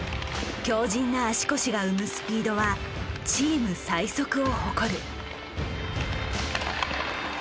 強じんな足腰が生むスピードはチーム最速を誇る。